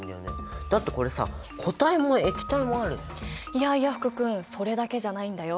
いやいや福君それだけじゃないんだよ。